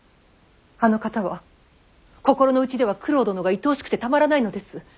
あの方は心の内では九郎殿がいとおしくてたまらないのです。